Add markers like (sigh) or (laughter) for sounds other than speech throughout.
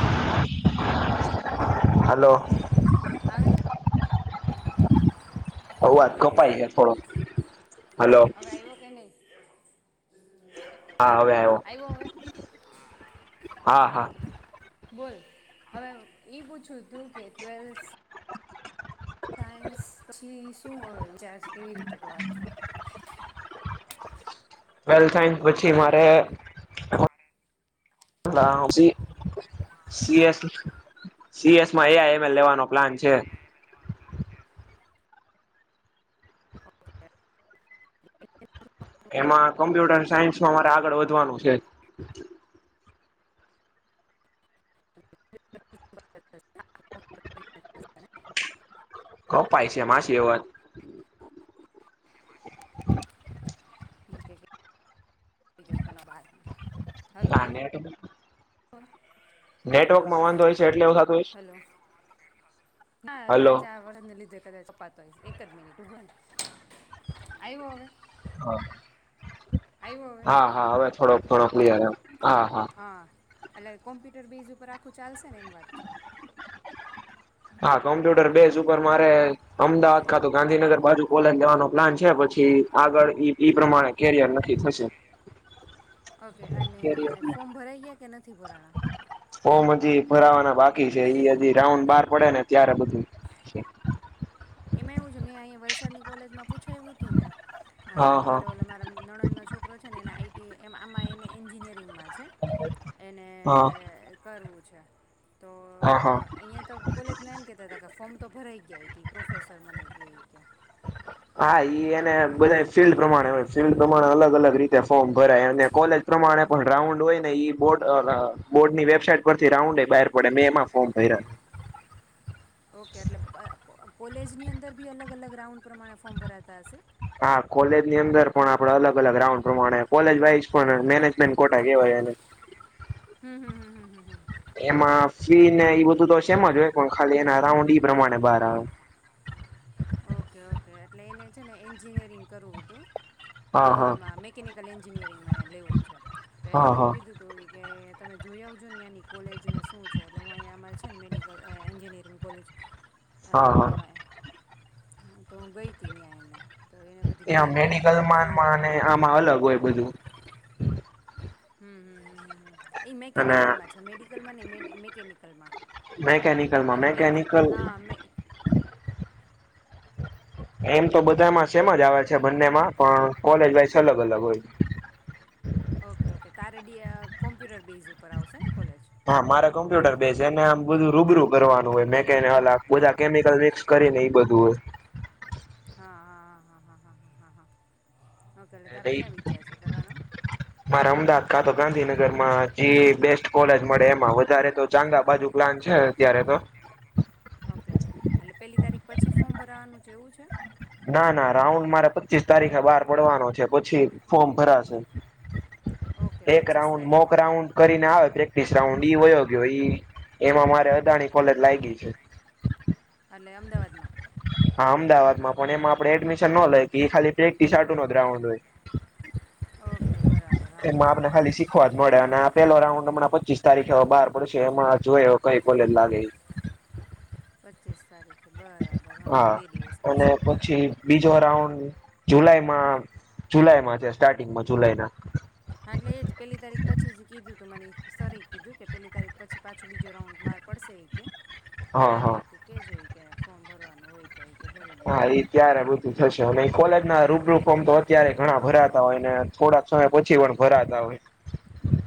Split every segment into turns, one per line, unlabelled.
Hello.
Hello.
આવે છે
અવાજ
હલો
કપાઈ જાય થોડો હલો.
હવે આવ્યો કે નહીં
હા હવે આવ્યો હા હા.
બોલ હવે એ પૂછ્યું હતું કે ટ્વેલ્થ સાયન્સ પછી શુંાર કેવી રીતે રવાજ છો
વેલ થન્ક પછી મારે
હલો
(inaudible) સીએસ સીએસમાં એ આઈ એમ એલ લેવાનો પ્લાન છે
(inaudible)
એમાં કોમ્પ્યુટર સાયન્સમાં મારે આગળ વધવાનું છે
(inaudible)
કછે માછ એવત (inaudible)
ક (inaudible) એ જો તણા વાદ
નાનેટ નેટવર્કમાં વાંધો હોય છે એટલે એવું થતું હોયશ
હલો હા
હલો
આડને લીધે ક તો એક જ મિનિટ ઉભો આવ્યો હવે
હા
આવ્યો હવે
હા હા હવે થોડોક થોડોક એ હા હા
એટલે કોમ્પ્યુટર બેઝ ઉપર આખું ચાલશે ને એમ વાત છે
હા કોમ્પ્યુટર બેઝ ઉપર મારે અમદાવાદ ખાતું ગાંધીનગર બાજુ કોલેજ લેવાનો પ્લાન છે પછી આગળ ઈ પ્રમાણે કેરિયર નકી થશે
ઓકે અને
કેરીઓને
ફોમ ભરાઈ ગયા કે નથી ભરાના
ફોર્મ હજી ભરાવાના બાકી છે એ હજી રાઉન્ડ બહાર પડે ને ત્યારે બધું
એમાં એવું છે મેં અહીંયા વલસાડની કોલેજમાં પૂછાયું હતું ને અ
હા હા
પેલો ઓ મારા નણંદ ન છોક છોકરો છે ને એને આઈટી એમ આમાં એને એન્જિનિયરિંગમાં છે છે એને
હા
કરવું છે અચ્છા તો
હા હા
હીં તો કોલેજ માં એમ કેતા તા કે ફોર્મ તો ભરાઈ ગયા કે પ્રોફેસર મને એ કે
હા ઈ એ બધા ફિલ્ડ પ્રમાણે હોય ફિલ્ડ પ્રમાણે અલગ અલગ રીતે ફોર્મ ભરાય અને કોલેજ પ્રમાણે પણ રાઉન્ડ હોય ને બોર્ડ બોર્ડ ની વેબસાાઈટ પરથી રાઉન્ડ બહાર પડે મેં એમાં ફોર્મ ભર્યા
ઓકે એટલે (unintelligible) કોલેજની અંદર બી અલગ-અલગ રાઉન્ડ પ્રમાણે ફોર્મ ભરાતા હશે?
હા કોલેજની અંદર પણ આપડે અલગ-અલગ રાઉન્ડ પ્રમાણે કોલેજ વાઈઝ પણ મેનેજમેન્ટ કોટા કેવાય એને.
હમ્મ-હમ્મ-હમ્મ-હમ્મ-હમ્મ.
એમાં ફી ને ઈ બધું તો સેમ જ હોય પણ ખાલી એના રાઉન્ડ ઈ પ્રમાણે બાર આવે.
ઓકે-ઓકે એટલે એને છે ને એન્જિનિયરિંગ કરવું હતું.
હા
અહ
હા
આમાં મિકેનિકલ એન્જિનિયરિંગમાં એન લેવું છે. તો એને
હા
મને
હા
કીધું તું ઈ કે તમે જોઈ આવજો ને ન્યાંની કોલેજને શું છે, એટલે હું અહીંયા અમારે છે ને મેડિકલ અહ એન્જિનિયરિંગ કોલેજ
હા હા
આમાં તો હું ગઈ ન્યાં એના
એ મેડિકલમાંન માંને આમાં અલગ હોય બધું
હમ્મ-હમ્મ-હમ્મ. ઈ
અને
મેકેનિકલમાં છે, મેડિકલમાં નહીં, મેડ મેકેનિકલમાં.
મેકેનિકલમાં
એને મેકેન
મેકેનિકલ
હા મે
એમ તો બધામાં સેમ જ આવે છે બંનેમાં, પણ કોલેજ વાઇસ અલગ-અલગ હોય.
ઓકે-ઓકે તારે ડી અહ કોમ્પ્યુટર બેઝ ઉપર આવશે ને કોલેજ?
હા મારે કોમ્પ્યુટર બેઝ, એને આમ બધું રૂબરૂ કરવાનું હોય મેકેન ઓલાં બધા કેમિકલ મિક્સ કરીને ઈ બધું હોય.
હા-હા-હા-હા-હા-હા-હા-હા.
(unintelligible) મારે અમદાવાદ કા તો ગાંધીનગરમાં જી બેસ્ટ કોલેજ મળે એમાં. વધારે તો ચાંગા બાજુ પ્લાન છે અત્યારે તો.
ઓકે એટલે પેલી તારીખ પછી ફોર્મ ભરાવાનું એવું છે?
ના-ના રાઉન્ડ મારે પચીસ તારીખે બાર પડવાનો છે પછી ફોર્મ ભરાશે.
ઓકે
એક
પચીસ
રાઉન્ડ મોક
તારીખે
રાઉન્ડ કરીને આવે પ્રેક્ટિસ રાઉન્ડ ઈ વયો ગયો ઈ એમાં મારે અ અદાણી કોલેજ લાયગી છે.
એટલે અમદાવાદમાં?
હા અમદાવાદમાં, પણ એમાં આપણે એડમિશન નો લઈ હગી, ઈ ખાલી પ્રેક્ટિસ હાટુનો જ રાઉન્ડ હોય.
ઓકે બરાબર હા હા
એમાં
હા
આપને ખાલી
હા
શીખવા જ મળે, અને આ પેલો રાઉન્ડ હમણા પચીસ તારીખે હવે બાર પડશે એમાં જોઈ હવે કઈ કોલેજ લાગે ઈ.
પચીસ તારીખ
હા અને પછી
બરાબર
બીજો રાઉન્ડ જુલાઈ માં જુલાઈમાં છે સ્ટાર્ટિંગમાં જુલાઈ ના.
એટલે એજ પેલી તારીખ પછી જ કીધું તું મને, સરએ કીધું કે પેલી તારીખ પછી પાછું બીજો રાઉન્ડ બાર પડશે ઈ કે,
હા
ત્યારે
હા
ઈ કે કહેજો ઈ કે ફોર્મ ભરવાનું હોય તો એ કે ભરી દે
હા
એમ
ઈ ત્યારે આ બધું થશે. અને ઈ કોલેજ ના રૂબરૂ ફોર્મ તો અત્યારેય ઘણા ભરાતા હોય ને થોડાક સમય પછી પણ ભરાતા હોય.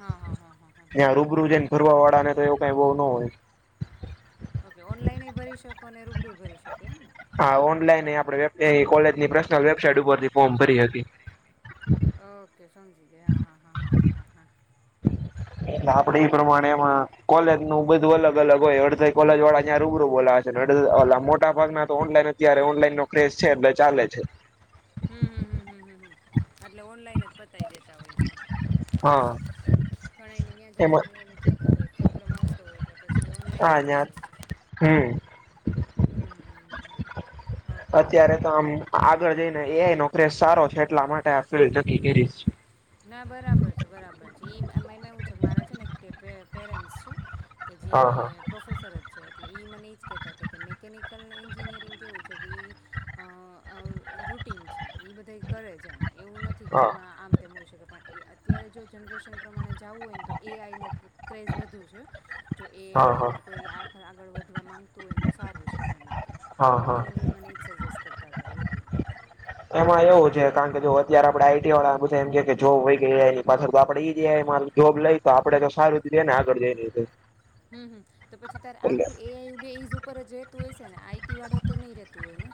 હા હા હા હા હા હા હા
ત્યાં રૂબરૂ જઈને ભરવા વાળા ને તો એવું કાઈ બહુ ન હોય. (inaudible)
ઓકે ઓનલાઈન એય ભરી શકો અને રૂબરૂય ભરી શકો એમને?
હા ઓનલાઈન એય આપણે (unintelligible) કોલેજની પર્સનલ વેબસાઇટ ઉપરથી ફોર્મ ભરી હગી.
ઓકે સમજી ગઈ હા-હા-હા-હા-હા-હા-હા.
આપડે ઈ પ્રમાણે એમાં કોલેજ નું બધું અલગ અલગ હોય. કોલેજ વાળા જ્યાં રૂબરૂ બોલા છે ને મોટા ભાગના તો ઓનલાઈન અત્યારે ઓનલાઈન નો ક્રેસ છે એટલે ચાલે છે.
હમ હમ હમ હમ હમ હ. એટલે ઓનલાઈન જ પતાય દેતા હોય છે
હા
ઘણાય ને ત્યાં
એમાં
જવાની એલું થતું હોય પ્રોબ્લેમ આવ (inaudible)
(unintelligible) હમ
(inaudible)
અત્યારે
બરાબર
તો આમ આગળ જઈને એ નોકરી સારો છે લમાાટ આ એ તો ક કરીશ
ના બરાબર છે બરાબર છે એ અમાંમાં એવું છે કે મારા છે ને કે પ પેરેન્ટ્સ છે. કે
હા હા
જે પ્રોફેસર જ છે એટલે ઈ મને એજ કેતા હતા કે મેકેનિકલ એન્જિનિયરિંગ કેવું છે કે એ રૂટીન છે એ બધા કરે છેમ એવું નથી કે
હા
એમાં આમ તે હો શકે પણ એ અત્યારે જો જનરેશન પ્રમાણે જવું હોય ને તો એ આઈ ન ક્રેઝ વધુ છે. જો એ
હા
એની
હા
અંદર કોઈ આખ આગળ વધવા માંગતું હોય ને તો સારું છે એમનું કેમ
હા હા
એને બી મને એ જ સજેશ કરતા હતા એ બી
એમાં એવું છે કારણ કે જો અત્યારે આપડે આઈટી વાળા બધા એમ જોબ હોય ગઈ એની પાછળ આપડે ઈ જ મા જોબ લઈ તો આપડે તો સારૂ રીતે ને આગળ જઈ
હમ હ તો પછી તારે આખું એઆઈ એ બેઝ ઉપર જ હોય છે ને આઈટી વાળું તો નહી રહેતું હોય ને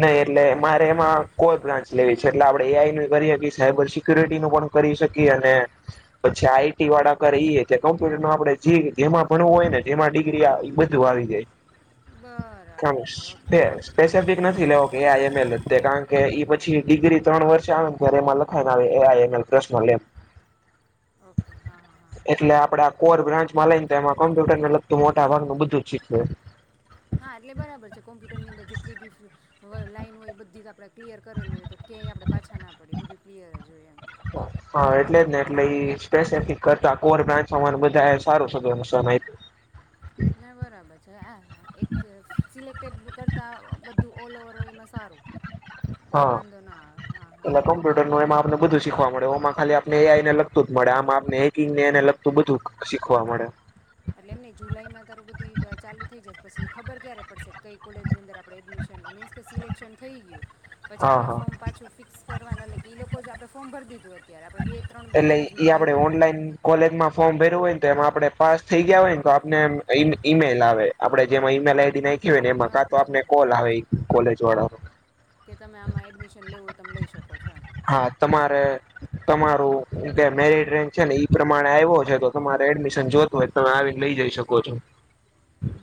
નહી એટલે મારે એમાં કોઈ બ્રાન્ચ લેવી છે એટલે આપણે એઆઈ ન કરી શકીએ સાયબર સિક્યુરિટી નું પણ કરી શકીએ અને પછી આઈટી વાળા કરી એ કે કમ્પ્યુટર ન આપણેે જે જેમાં ભણવું હોય ને જેમાં ડિગ્રી એ બધું આવી જાય.
બરાબર છે ઓકે ઓકે.
લે કે એઆઈ એમલ કારણ કે એ પછી ડિગ્રી ત્રણ વર્ષ આવે ને ત્યારે એમાં લખાય આવે એ એઆઈએમએલએ પ્રશ્નલ એમાં
ઓકે હા હા હા હા
એટલે
હા
આપડા કોર બ્રાન્ચ માં લઈને એમાં કોમ્પ્યુટર ને લગતું મોટા ભાગનું બધું જ શીખ
હા એટલે બરાબર છે કોમ્પ્યુટર ની અંદર જેટલી બી લાઈન હોય બધી જ ક્લિય કરેલું હોય તો ક્યાય આપણે પાછા ના પડી બધું કલીયર જ હોય.
હા એટલે જ ને એટલે સ્પેસફિક કરતા કોર બ્રાન્ચ બધા સારું છે.
ના બરાબર છે. તો હ એક સિલેક્ટટેડ કરતાં બધું ઓલ ઓવર હોય એમાં સારું. એટલે
હા
વાંધો ના આવે હા હા
એટલે
હા હા હા
કોમ્પ્યુટર ન એમાં આપને બધું શીખવા મળેમાં ખાલી આપ લગતું જ મળે આમ આપને હિંગ ને એને લગતું બધું શીખવા મળે.
એટલે એમ નહી જુલાઈમાં તારું બધું ચાલુ થઇ જશે, પછી ખબર ક્યારે પડશે કઈ કોલેજ ની અંદર આપડે એડમિશન ન મીન્સ કે સિલેક્શન થઇ ગયું. પછી
હા
આપણે
હા.
ફોર્મ પાછું ફિક્સ કરવાના એટલે કે લોકો જ આપણે ફોર્મ ભરી દીધું અત્યારે આપણે બે ત્રણ
એટલે ઈ
કોલેજમાં
આપડે
ભર્યું
ઓનલાઈન કોલેજ માં ફોર્મ ભેરું હોય. તેમાં આપડણે પાસ થઈ ગયા હોય ને તો આપને ઈમેલ આવે. આપણેે જેમાં ઈમેલ આઈડી ના એ ને એમાં
હા
કા તો
ઓકે
આપને
ઓકે
કોલ આવે કોલેજ વાળા. ન
કે તમે આમાં એડમિશન લેવું હોય તમે લઈ શકો છો
હા તમારે તમાર કે મેરિટ રેન્ક છે ને ઈ પ્રમાણે આવ્યો છે, તો તમારે એડમિશન જોતું હોય તમે આવીને લઈ જઈ શકો છો.
એમ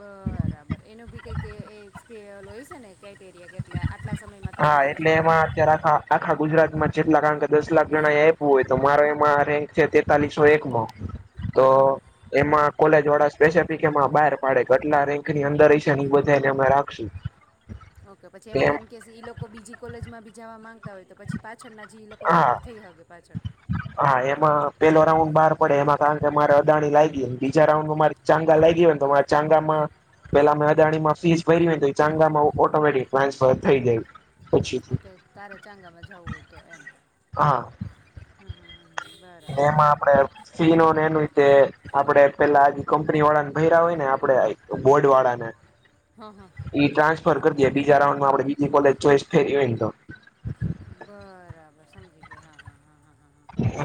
એ લ છેને કે એટલે આટલા સમયમાં તમે
હા એટલે
એડમિશન
એમાં અત્યારે આ આખા ગુજરાતમાં જેટલા દસ લાખ જણા એ આપવું હોય તો મારો એમાં રેન્ક છે, તેતાલીસો એક નો તો
હમ
એમાં કોલેજ જોડા સ્પેસફિક એમાં બહાર પાડે કેટલા રેન્ક ની અંદર ર છે. ને એ બધાને અમે રાખશું.
ઓકે! પછી
તેમ
એમાંથી ન કેસ એ લોકો બીજી કોલેજમાં બી જવા માંગતા હોય, તો પછી પા
હા, હા
ઓકે
એમાં પેલો રાઉન્ડ બહાર પડે એમાં કારણ કે મારે અદાણી લાયક બીજા રાઉન્ડમાં મારે ચાંગા લાગ ગ હોય, તો મારા ચાંગામાં પેલા મેં અદાણીમાં ફીસ ભરી હો ને તો, એ ચાંગામાં ઓટોમેટિક ટ્રાન્સફર થઈ ગયું.
ઓકે! તારે ચાંગામાં જવું હોય, તો એમ
હા.
હમ હમ હમ હમ. બરાબર
અને એમાં
સમજી
આપડે
ગઈ
ફીનોને એનું રીતે આપડે પેલા આ કંપની વાળા ને ભૈરા્યા હોય ને આપડે બોર્ડ વાળા ને
હા હા
એ ટ્રાન્સફર બીજા રાઉન્ડ માં આપણે બીજી કોજ ચોઇસ કરી, તો
બરાબર. સમજી ગઈ. હા, હા, હા,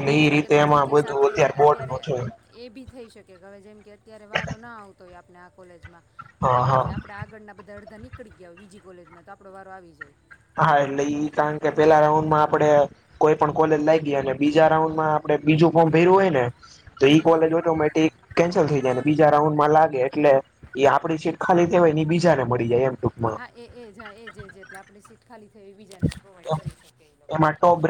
અને એ
એટલે
રીતે
કદાચ ઇન
એમાં
કેસ
બધું
આપડે
બોર્ડ
અત્યારે
નું છે.
એ ભી થઇ શકે, કે હવે જેમ કે અત્યારે વારો ના આવતો હોય. આપણા આ કોલેજમાં. અને
હા હા
એમાંથી આપડા આળના બધા અડધા નીકળી નીકળી ગયા હોય. બીજી કોલેજમાં તો આપડો વારો આવી જાય.
હા, એટલે ઈ કારણ કે પેલા રાઉન્ડમાં આપડે કોઈ પણ કોલેજ લાગ ગયા અને બીજા રાઉન્ડમાં આપણે બીજું ફોર્મ ભેર્યું હોય ને તો ઈ
હમ હમ
કોલેજ ઓટોમેટિક કેન્સલ થઈ જાય. બીજા રાઉન્ડ માં લાગે એટલે એ આપડી સીટ ખાલી જાય એ બીજા ને મળી જાય. એમ ટૂંકમાં
હા, એજ હા એજ જ એટલે, આપણે સીટ ખાલી એ બીજાને પ્રોવાઈડ કરી શકે? એ લોકો
એમાં ટોપ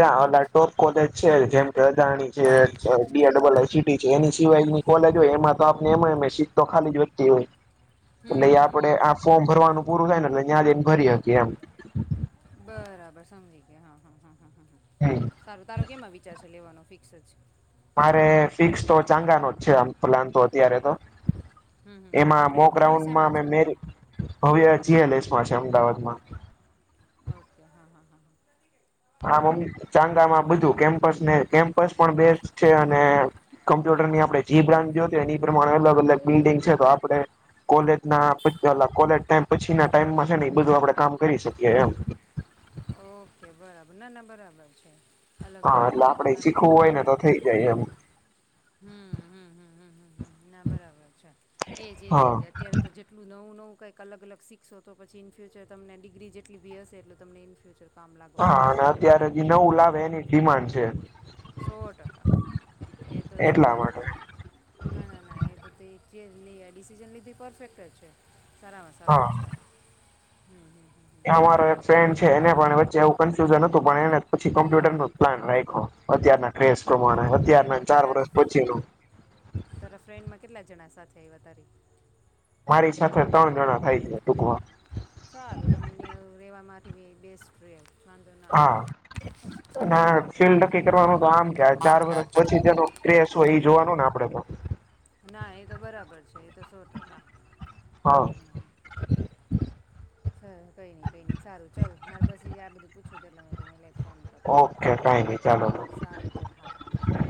ટોપ કોલેજ છે જ એમ કેમ અદાણી છે, ડીઆર ડબલ આટી છે, એની સવાયની કોલેજ હોય એમાં તો આપને એમ સીટ તો ખાલી જ વધતી હોય.
હમ
એટલે
હમ હમ
આપડે
હમ
આ ફોર્મ ભરવાનું પૂરું થાય ને એટલે. ત્યાદ એમ ભરી હકી એમ.
બરાબર સમજી ગયા હા હા હા. હ હ
એમ
હ સારું તારો કેમાં વિચાર છે લેવાનો ફિક્સ છે.
મારે ફિક્સ તો ચાંગા ન જ છે આમ પ્લાન તો અત્યારે તો
હમ હમ
એમાં
આપણે આ
મોક
ભવ્ય
રાઉન્ડમાં
શેમાં
અ
છે
મે ભવ્ય સીએલએસ માં છે અમદાવાદમાં.
ઓકે હા હા હા હા.
આમ ચાંગામાં બધું કેમ્પસ ને કેમ્પસ પણ બેસ્ટ છે અને કમ્પ્યુટરની આપણે જી બ્રાન્ચ જોતી એ પ્રમાણે અલગ અલગ બિલ્ડિંગ છે તો આપે કોલેજ ના કોલેજ ટ પછી ના ટાઈમમાં છે ને એ બધું આપડે કામ કરી શકીએ એમ.
ઓકે બરાબર ના ના બરાબર છે. અલગ
હા
અલગ
એટલે
હોય તો
આપડે
તને
શીખવું
થોડુંક
હોય ને
વધુ
તો થઈ જાય એમ.
હમ ના બરાબર છે એજજજ
હા
અત્યારે તો જેટલું નવું નવું. કંઈક અલગ અલગ શીશો પછી ઇ ફ્યુચર તમને ડિગ્રી જેટલીી હશે એટલ તમ ઇ ફ્યુચર. કામ
હા
લાગવાનું છે
અને અત્યારે હજી નવું લાવે એ. ડિમાન્ડ છે
સો ટકા એ તો છે
એટલા માટે
એ ના ના ના એકથી. જે નહી આ ડિસિઝન લીધી પરફેક્ટ જ છે. સારામાં સારું જ
હા
છે. હમ હમ.
અમારો એક ફ્રેન્ડ છે એને પણ વચ્ચે એવું કન્ફ્યુઝન હતું પણ એને પછી કોમ્પ્યુટર નો જ પ્લાન રાખયો અત્યારના ટસ પ્રમાણે
એટલે
અત્યારના
તો
ચાર
તારા
વર્ષ પછી નુ
જવદારી.
મારી સાથે ત્રણ જણા થાય છે ટૂકમા
ઈ ભી બેસ્ટ ફ્રેન્ડ
હા અને ફીલ નક્કી કરવાનું. તો આમ ક ચાર વર્ષ પછી તેનો કસ હોય ઈ જોવાનું ને આપડે તો.
ના એ તો બરાબર છે. અચ્છ એ તો સો ટકા
હા
હમ્મ હમ્મ હ. સર કઈ નઈ કઈ નઈ સારું ચાલ મારે બસ આ બધું પૂછવું તો એટલે એ ફોન કરું
ઓકે કઈ નઈ ચાલો
સારું ચાલ હા હા ભાઈ હા.